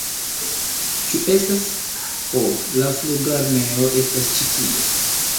Ĉu estas... ho la flugarmeo estas ĉi tie!